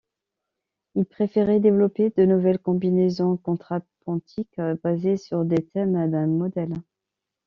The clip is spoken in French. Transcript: Il préférait développer de nouvelles combinaisons contrapuntiques basées sur des thèmes d’un modèle.